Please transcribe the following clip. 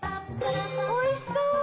おいしそう！